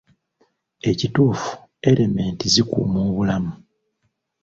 Ekituufu, erementi zikuuma obulamu.